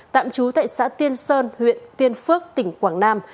tạm trú tại xã tiên sơn huyện tiên phước tỉnh quảng nam